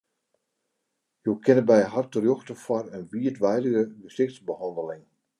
Jo kinne by har terjochte foar in wiidweidige gesichtsbehanneling.